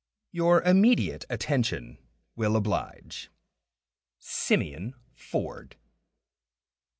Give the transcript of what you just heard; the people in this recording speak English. Your immediate attention will oblige. SIMEON FORD.